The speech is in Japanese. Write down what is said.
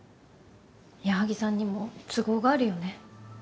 矢作さんにも都合があるよね。